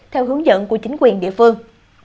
theo hướng dẫn của chính quyền địa phương